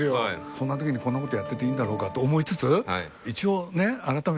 そんな時にこんなことやってていいんだろうかと思いつつ一応。